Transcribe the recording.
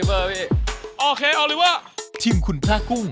ไปไปไปคุณไป